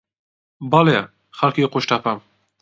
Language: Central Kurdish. بەڵێ، خەڵکی قوشتەپەم.